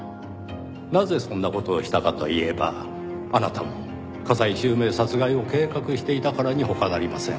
なぜそんな事をしたかといえばあなたも加西周明殺害を計画していたからに他なりません。